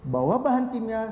bahwa bahan kimia